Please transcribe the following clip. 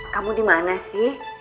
kamu dimana sih